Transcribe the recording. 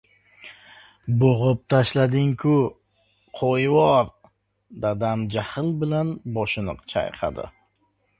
Bo‘g‘ib tashlading-ku, qo‘yvor! - dadam jahl bilan boshini chayqadi.